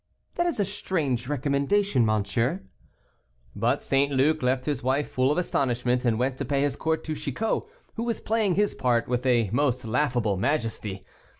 "That is a strange recommendation, monsieur." But St. Luc left his wife full of astonishment, and went to pay his court to Chicot, who was playing his part with a most laughable majesty.